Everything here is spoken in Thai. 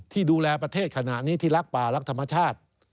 ที่ดูแลประเทศขณะนี้ที่รักป่ารักธรรมชาติ